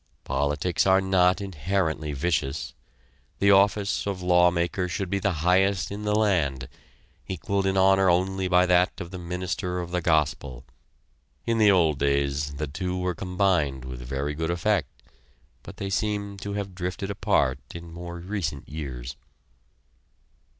Politics are not inherently vicious. The office of lawmaker should be the highest in the land, equaled in honor only by that of the minister of the gospel. In the old days, the two were combined with very good effect; but they seem to have drifted apart in more recent years.